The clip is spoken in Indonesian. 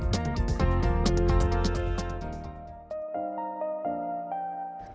selamat makan siang